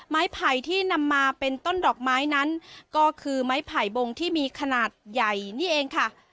ไผ่ที่นำมาเป็นต้นดอกไม้นั้นก็คือไม้ไผ่บงที่มีขนาดใหญ่นี่เองค่ะ